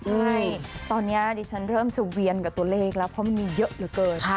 ใช่ตอนนี้ดิฉันเริ่มจะเวียนกับตัวเลขแล้วเพราะมันมีเยอะเหลือเกิน